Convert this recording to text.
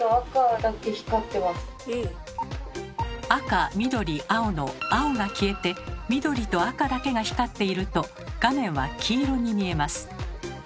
赤緑青の青が消えて緑と赤だけが光っていると画面は黄色に見えます。